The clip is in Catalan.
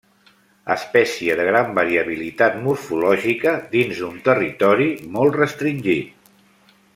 Espècie de gran variabilitat morfològica, dins d'un territori molt restringit.